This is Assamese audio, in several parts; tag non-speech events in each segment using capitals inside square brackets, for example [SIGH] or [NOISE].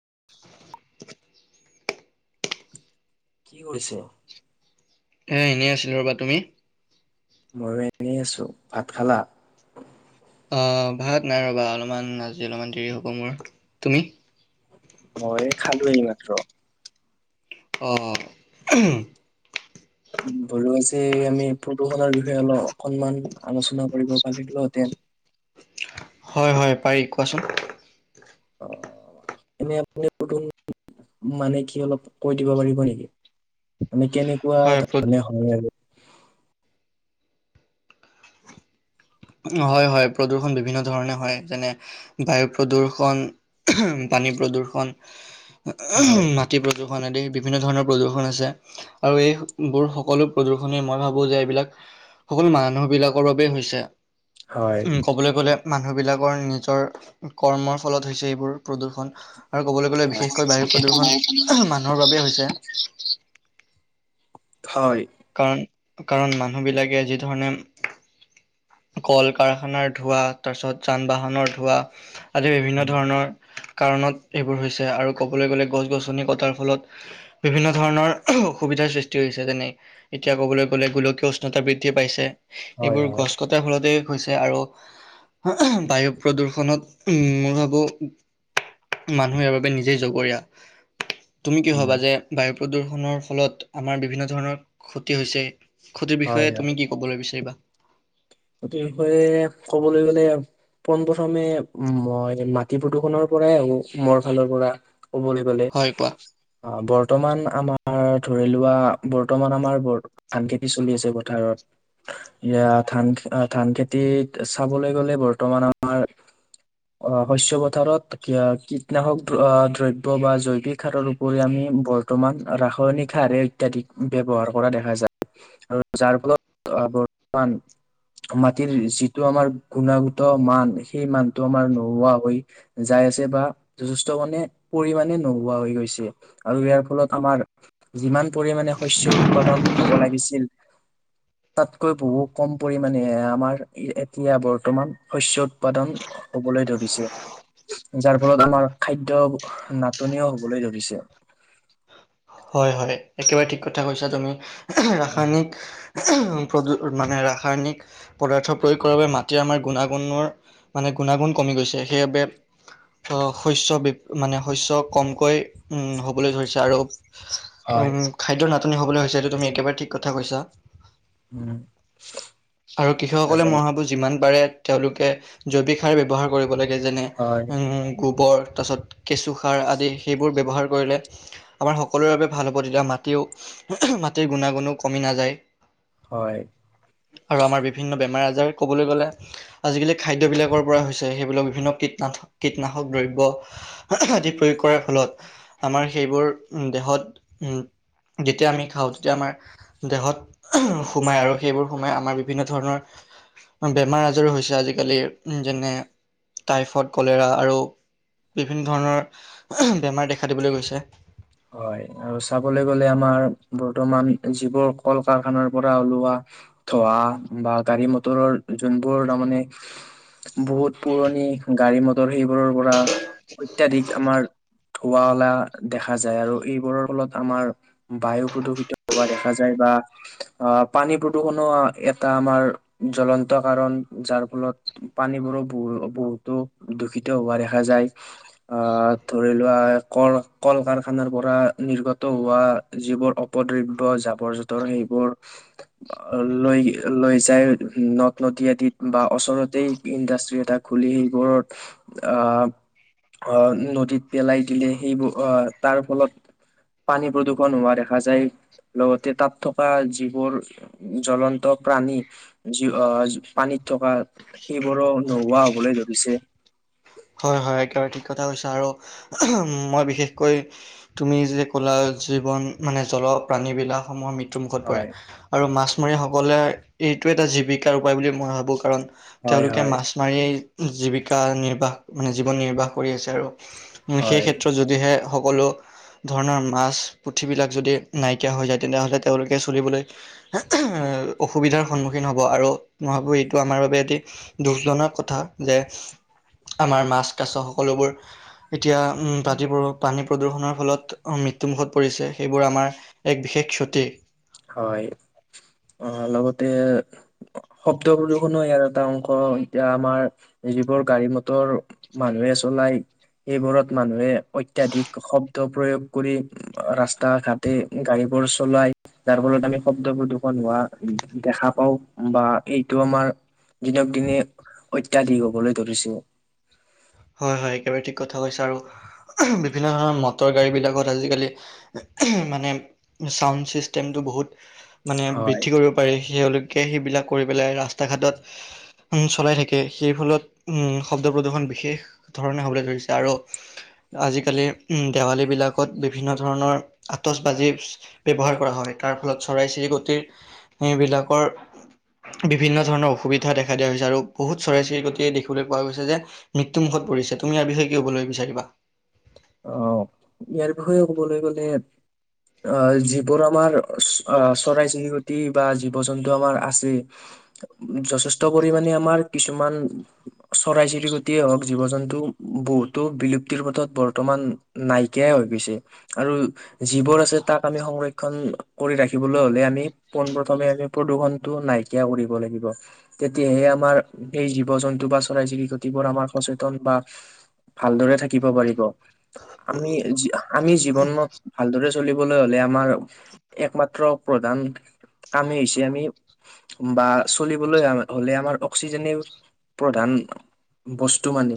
[INAUDIBLE] কি কৰিছ? এ এনেই আছিলো ৰ'বা। তুমি? ময়ো এনেই আছো। ভাত খালা? অ', ভাত নাই ৰ'বা অলপমান আজি অলপমান দেৰি হ'ব মোৰ। তুমি? মই খালো এই মাত্ৰ। অ'। ধলো, আজি আমি প্ৰদূষণৰ বিষয়ে অলপ অকনমান আলোচনা কৰিব পাৰিলো হেতেন। হয়-হয় পাৰি কোৱাচোন। অ' এনে আপুনি নতুন মানে কি অলপ কৈ দিব পাৰিব নেকি? কেনেকুৱা হয় প্ৰ- ধৰণে হয় আৰু। হয়-হয় প্ৰদূষণ বিভিন্ন ধৰণে হয় যেনে বায়ু প্ৰদূষণ নী প্ৰদূষণ, হয়, মাটি প্ৰদূষ আদি বিভিন্ন ধৰণৰ প্ৰদূ্ষন আছে আৰু এইবোৰ সকলো প্ৰদূ্ষণে মই ভাবো যে এইবিলাক সকলো মানুহ বিলাকৰ বাবেই হৈছে। হয়। উম', ক'বলৈ গলে- মানুহবিলাকৰ নিজৰ কৰ্মৰ ফলত হৈছে এইবোৰ প্ৰদূষণ। আৰু ক'বলৈ গ'লে বিশেষকৈ বায়ু প্ৰদূষণ মানুহৰ বাবেই হৈছে। হয়। কাৰণ-কাৰণ মানুহবিলাকে যি ধৰণে কল-কাৰখানাৰ ধোঁৱা তাৰ পিছত যান বাহনৰ ধোঁৱা আদি বিভিন্ন উম, ধৰণৰ কাৰণত এইবোৰ হৈছে আৰু ক'বলৈ গ'লে গছ-গছনি কটাৰ ফলত বিভিন্ন ধৰণৰ অসুবিধ ধাৰ সৃষ্টি হৈ হৈছে। তেনেই এতিয়া ক'বলৈ গ'লে গোলকীয় উষ্ণতা বৃদ্ধি পাইছে, হয়, এইবোৰ হয়, গছ কটাৰ ফলতে হৈছে আৰু বায়ু প্ৰদূষণত উম, মই ভাবোঁ মানুহ ইয়াৰ বাবে নিজেই জগৰীয়া। তুমি কি উম, ভবা যে বায়ু প্ৰদূৰষণৰ ফলত আমাৰ বিভিন্ন ধৰণৰ ক্ষতি হৈছে? ক্ষতিৰ হয়, বিষয়ে হয়। তুমি কি ক'বলৈ বিচাৰিবা? সেইটো বিষয়ে ক'বলৈ গ'লে পোন প্ৰথমে মই মাটি প্ৰদূষণৰ পৰাই আহো মোৰ ফালৰ পৰা ক'বলে গ'লে। হয় কোৱা। অ, বৰ্তমান আমাৰ ধৰি লোৱা বৰ্তমান আমাৰ ব ধান খেতি চলি আছে পথাৰত। এয়া ধান-ধান খেতিত চাবলৈ গলে বৰ্তমান আমাৰ অ', শস্য পথাৰত কীটনাশক দ্ৰব্য বা জৈৱিক সাৰৰ উপৰি আমি বৰ্তমান ৰাসায়নিক সাৰ ইত্যাদি ব্যৱহাৰ কৰা দেখা যায় আৰু যাৰ ফলত। আবৰ্তান। মাটিৰ যিটো আমাৰ গুণাগত মান সেই মানটো আমাৰ নোহোৱা হৈ যায়। পিছে বা যথেষ্ট মানে পৰিমাণে নোহোৱা গৈছে আৰু ইয়াৰ ফলত আমাৰ যিমান। পৰিমাণে শস্য উৎপাদন হ'ব লাগিছিল তাতকৈ বহু কম পৰিম- মানে আমাৰ এতিয়া বৰ্তমান শস্য উৎপাদন হবলৈ ধৰিছে। যাৰ ফলত আমাৰ খাদ্য নাটনিও হবলৈ ধৰিছে। হয় হয় একেবাৰে ঠিক কথা কৈছা তুমি। ৰাসায়নিক প্ৰ মানে ৰা- ৰাসায়নিক পদাৰ্থ প্ৰয়োগ কৰাৰ বাবে মাটিৰ আমাৰ গুণাগুণৰ মানে গুণাগুণ কমি গৈছে সেইবাবে আহ শস্য বি মানে শস্য কমকৈ উম হবলৈ ধৰিছে আৰু হয়। উম খাদ্যৰ নাটনি হবলৈ হৈছে এইটো তুমি একেবাৰে ঠিক কথা কৈছা। আৰু কৃষকসকলে উম মই ভাবো যিমান পাৰে। তেওঁলোকে জৈৱিক সাৰ ব্যৱহাৰ কৰিব লাগে যেনে হয় গো- বৰ তাৰপিছত কেঁচুসাৰ আদি সেইবোৰ ব্যৱহাৰ কৰিলে। আমাৰ সকলোৰে বাবে ভাল হ'ব তেতিয়া মাটিও মাটিৰ গুণাগুণো কমি নাযায়। হয় আৰু আমাৰ বিভিন্ন বেমাৰ আজাৰ যাৰ ক'বলৈ গ'লে আজিকালি খাদ্যবিলাকৰ পৰা হৈছে সেইবিলাক বিভিন্ন কীটনাশক কীটনাশক দ্ৰব্য। আদি প্ৰয়োগ কৰাৰ ফলত আমাৰ সেইবোৰ উ দেহত উম। যেতিয়া আমি খাওঁ তেতিয়া আমাৰ দেহত সোমাই আৰু সেইবোৰ সোমাই আমাৰ বিভিন্ন ধৰণৰ। বেমাৰ আজাৰো হৈছে আজিকালি যেনে টাইফইড কলেৰা আৰু। বিভিন্ন ধৰণৰ বেমাৰ দেখা দিবলৈ গৈছে। হয় আৰু চাবলৈ গলে আমাৰ বৰ্তমান যিবোৰ কল কাৰখানাৰ পৰা ওলোৱা। ধোৱা বা গাড়ী মটৰৰ যোনবোৰ তাৰমানে বহুত পুৰণি গাড়ী মটৰ সেইবোৰৰ পৰা। অত্যাধিক আমাৰ ধুৱালা দেখা। দে য আৰু এইবোৰৰ ফলত আমাৰ বায়ু প্ৰদূষিত হোৱা দেখা যায় বা প পানী প্ৰদূষণো এটা আমাৰ জ্বলন্ত কাৰণ যাৰ ফলত পানীবোৰো বহু। বহুতো দূষিত হোৱা দেখা যায় আহ ধৰি লোৱা কল, কল কাৰ। খানাৰ পৰা নিৰ্গত হোৱা যিবোৰ অপদ্ৰব্য় জাবৰ জোঁতৰ সেইবোৰ লৈ লৈ যায় নদ নদী আদিত বা ওচৰতে ইণ্ডাষ্ট্ৰি এটা খুলি। সেইবোৰত আহ আহ নদীত পেলাই দিলে সেইবোৰ আহ। তাৰ ফলত পানী প্ৰদূৰষণ হোৱা দেখা যায়। লগতে তাত থকা যিবোৰ জলন্ত প্ৰাণী যি পানীত। থকা সেইবোৰো নোহোৱা হবলৈ ধৰিছে। হয় হয় একেবাৰে ঠিক কথা কৈছা আৰু মই বিশেষকৈ তুমি যে কলা জল জীৱন মানে জলপাণীবিলাসমূহ ম্যু মৃত্যুমুখত পৰে হয় আৰু মাছমৰীয়াসকলে এইটো এটা জীৱিকাৰ উপায় বুলি মই ভাবোঁ কাৰণ। হয় তেওঁলোকে হয় মাছ মাৰিয়েই জীৱিকা নিৰ্বাহ মানে জীৱন নিৰ্বাহ কৰি আছে আৰু। সেই হয় ক্ষেত্ৰত যদিহে সকলো। ধৰণৰ মাছ পুথিবিলাক যদি নাইকিয়া হৈ যায় তেনেহ'লে তেওঁলোকে চলিবলৈ। অসুবিধাৰ সন্মুখীন হ'ব আৰু মই ভাবো এইটো আমাৰ বাবে এটি দুখজনক কথা যে। [INAUDIBLE] আমাৰ মাছ কাছ সকলোবোৰ এতিয়া পাতিবোৰ পানী। প্ৰদূষণৰ ফলত মৃত্যুমুখত পৰিছে সেইবোৰ আমাৰ এক বিশেষ ক্ষতি। হয়। অ লগতে শব্দ প্ৰদশো ইয়াৰ এটা অংশ এতিয়া আমাৰ। যিবোৰ গাড়ী মটৰ মানুহে চলাই এইবোৰত মানুহে অত্যাধিক শব্দ প্ৰয়োগ কৰি ৰাস্তা ঘাটে গাড়ী। বৰ চলাই যাৰ ফলত আমি শব্দ প্ৰদূষণ হোৱা দেখা পাও বা এইটো আমাৰ দিনক দিনে অত্যাধিক হবলৈ ধৰিছে হয়, হয় একেবাৰে ঠিক কথা কৈছা আৰু বিভিন্ন ধৰণৰ মটৰ গাড়ী বিলাকত আজিকালি এম মানে ছাউণ্ড ছিষ্টেমটো বহুত মানে হয় বৃদ্ধি কৰিব পাৰি সে তাকে সেইবিলাক কৰি পেলাই ৰাস্তা ঘাটত চলাই থাকে সেই ফলত শব্দ প্ৰদূষণ বিশেষ ধৰণে হ'বলৈ ধৰিছে আৰু আজিকালি উ দেৱালী বিলাকত বিভিন্ন ধৰণৰ। আতচ বাজি ব্যৱহাৰ কৰা হয় তাৰ ফলত চৰাই চিৰিকটিৰ এইবিলাকৰ বিভিন্ন ধৰণৰ অসুবিধা দেখা দিয়া হৈছে আৰু বহুত চৰাই চিৰিকতিয়ে দেখিবলৈ পোৱা গৈছে যে মৃ ত্যু মুখত পৰিছে তুমি ইয়াৰ বিষয়ে কি ক'বলৈ বিচাৰিবা অ ইয়াৰ বিষয়ে কবলৈ গলে। আহ যিবোৰ আমাৰ আহ চৰাই চিৰিকটি বা জীৱ জন্তু আমাৰ আছে যথেষ্ট পৰিমাণে আমাৰ কিছুমান চৰাই চিৰিকটিয়ে হওক জীৱ- জন্তু বহুতো বিলুপ্তিৰ পথত বৰ ৰ্তমান নাইকিয়াই হৈ গৈছে আৰু যিবোৰ আছে তাক আমি সংৰক্ষণ কৰি ৰাখি দিবলৈ হলে আমি পোন প্ৰথমে আমি প্ৰদূষণটো নাইকিয়া কৰিব লাগিব তেতিয়াহে আমাৰ সেই জীৱ জন্তু বা চৰাই চিৰিকতিবোৰ আমাৰ সচেতন বা ভালদৰে থাকিব পাৰিব- আমি আমি জীৱনত ভালদৰে চলিবলৈ হলে আমাৰ একমাত্ৰ প্ৰধান কামেই হৈছে আমি বা চলিবলৈ হলে আমাৰ অক্সিজেনেও প্ৰধান বস্তু মানি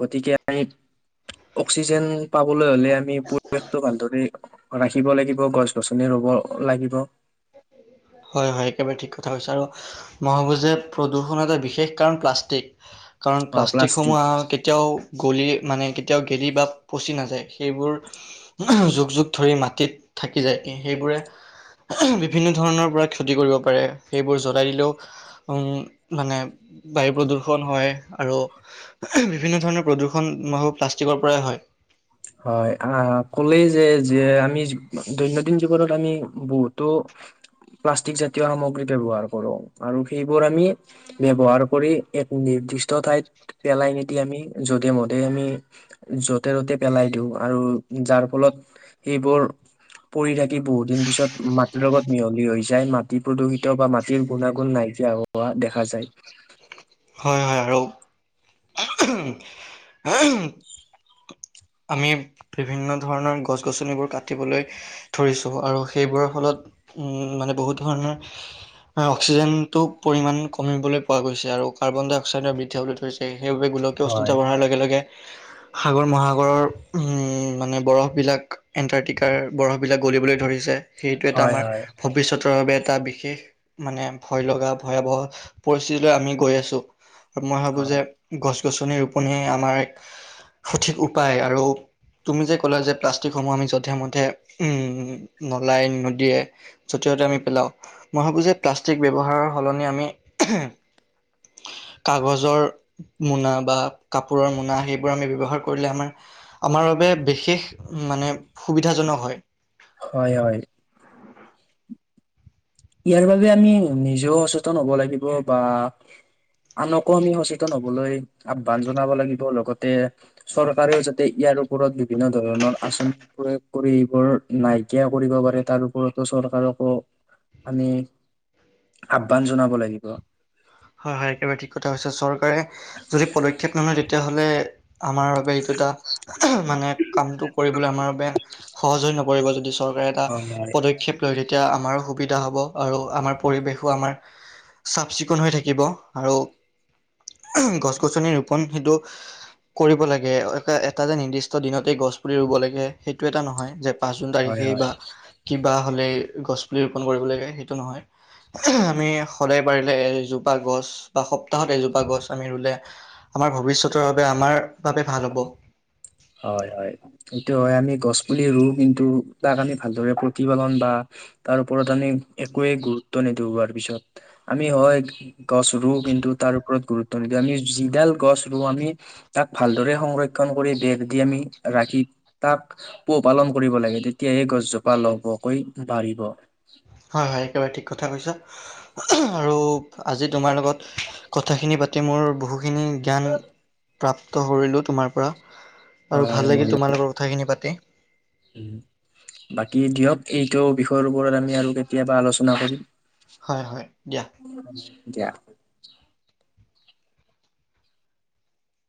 গতিকে আমি অক্সিজেন পাবলৈ হ'লে আমি পৰিৱেশটো ভালদৰে ৰাখিব লাগিব গছ গছনি ৰুব লাগিব হয় হয় একেবাৰে ঠিক কথা কৈছা আৰু মই ভাবো যে প্ৰদূষণৰ এটা বিশেষ কাৰণ প্লাষ্টিক কাৰণ অ প্লাষ্টিক প্লাষ্টিকসমূহ আও কেতিয়াও গলি মানে কেতিয়াও গেলি বা পচি নাযায় সেইবোৰ যুগ যুগ ধৰি মাটিত থাকি যায় সেইবোৰে বিভিন্ন ধৰণৰ পৰা ক্ষতি কৰিব পাৰে সেইবোৰ জ্বলাই দিলেও মানে বায়ু প্ৰদূষণ হয় আৰু বিভিন্ন ধৰণৰ প্ৰদূৰষণ প্লাষ্টিকৰ পৰাই হয় হয় আহ ক'লেই যে যে আমি দৈনন্দিন জীৱনত আমি বহুতো প্লাষ্টিক জাতীয় সামগ্ৰী ব্যৱহাৰ কৰো আৰু সেইবোৰ আমি ব্যৱহাৰ কৰি এক নিৰ্দিষ্ট ঠাইত পেলাই নিদি আমি যধে মধে আমি য'তে ত'তে পেলাই দিও আৰু যাৰ ফলত সেইবোৰ পৰি থাকি বহুত দিন পিছত মাটিৰ লগত মিহলি হৈ যায় মাটি প্ৰদূষিত বা মাটিৰ গুণাগুণ নাই কিয়া হোৱা দেখা যায় হয় হয় আৰু ওমহ এমহ আমি বিভিন্ন ধৰণৰ গছ গছনিবোৰ কাটিবলৈ ধৰিছোঁ আৰু সেইবোৰৰ ফলত উ মানে বহুত ধৰণৰ অক্সিজেনটো পৰিমান কমিবলৈ পোৱা গৈছে আৰু আৰু কাৰ্বন ডাই অক্সাইডৰ বৃদ্ধি হবলৈ ধৰিছে সেইবাবে গোলকীয় হয়। উষ্ণতা বঢ়াৰ লগে লগে সাগৰ মহাসা গৰৰ মানে বৰফবিলাক এণ্টাৰ্টিকাৰ বৰফবিলাক গলিবলৈ ধৰিছে সেইটো এটা হয় আমাৰ হয় ভৱিষ্যতৰ বাবে এটা বিশেষ মানে ভয় লগা ভয়াৱহ পৰিস্থিতিলৈ আমি গৈ আছো আৰু মই ভাবো যে হয় গছ গছনি ৰুপনে আমাৰ এক সঠিক উপায় আৰু তুমি যে ক'লা যে প্লাষ্টিকসমূহ আমি যধে মধে উম নলাই নদীয়ে যতে ততে আমি পেলাও মই ভাবো যে প্লাষ্টিক ব্যৱহাৰৰ সলনি আমি এহেম কাগজৰ মোনা বা কাপোৰৰ মোনা সেইবোৰ আমি ব্যৱহাৰ কৰিলে আমাৰ আমাৰ বাবে বিশেষ মানে সুবিধাজনক হয় হয় হয় ইয়াৰ বাবে আমি নিজেও সচেতন হব লাগিব বা আনকো আমি সচেতন হবলৈ আহ্বান জনাব লাগিব লগতে চৰকাৰেও যাতে ইয়াত তাৰ ওপৰত বিভিন্ন ধৰণৰ আঁচনি প্ৰয়োগ কৰি এইবোৰ নাইকিয়া কৰিব পাৰে তাৰ ওপৰতো চৰকাৰ চৰকাৰকো আমি আহ্বান জনাব লাগিব হয় হয় একেবাৰে ঠিক কথা হৈছে চৰকাৰে যদি পদক্ষেপ নলয় তেতিয়াহ'লে আমাৰ বাবে এইটো এটা মানে কামটো কৰিবলৈ আমাৰ বাবে সহজ হৈ নপৰিব যদি চৰ- কোনো এটা হয় হয় পদক্ষেপ লয় তেতিয়া - আমাৰো সুবিধা হ'ব আৰু আমাৰ পৰিৱেশো আমাৰ চাফ চিকুণ হৈ থাকিব। থাকিব আৰু গছ গছনি ৰোপন সেইটো কৰিব লাগে এটা যে নিৰ্দিষ্ট দিনতে গছ পুলি ৰুব লাগে সেইটো এটা নহয় যে পাঁচ জুন হয় তাৰিখে হয়। বা কিবা হ'লে গছ পুলি ৰোপন কৰিব লাগে সেইটো নহয় আমি সদায় পাৰিলে এজোপা গছ বা সপ্তাহত এজোপা গছ আমি ৰুলে আমাৰ ভৱিষ্যতৰ বাবে আমাৰ বাবে ভাল হ'ব। [INAUDIBLE] হয় হয় সেটো হয় আমি গছ পুলি ৰুওঁ কিন্তু তাক আমি ভালদৰে প্ৰতিপালন বা তাৰ ওপৰত আমি একোৱে গুৰুত্ব নিদিও পিছত আমি হয় গছ ৰুও তাৰ ওপৰত গুৰুত্ব নিদিওঁ আমি যিডাল গছ ৰুওঁ আমি তাক ভালদৰে সংৰক্ষণ কৰি দি দি আমি ৰাখি তাক পোহপালন কৰিব লাগে তেতিয়াহে গছজোপা লহপহকৈ বাঢ়ি হিব। হয় হয় একেবাৰে ঠিক কথা কৈছা আৰু আজি তোমাৰ লগত কথাখিনি পাতি মোৰ বহুখিনি জ্ঞান প্ৰাপ্ত কৰিলোঁ তোমাৰ পৰা। আৰু হয় ভাল লাগিল মই তোমাৰ লগত কথাখিনি পাতি। বাকী দিয়ক এইটো বিষয়ৰ ওপৰত আমি আৰু কেতিয়াবা আলোচনা কৰিম। হয় হয় দিয়া। দিয়া।